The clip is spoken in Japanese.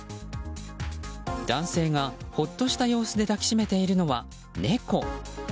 男性がほっとした様子で抱き締めているのは、猫。